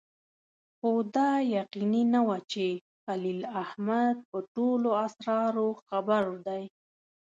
خو دا یقیني نه وه چې خلیل احمد په ټولو اسرارو خبر دی.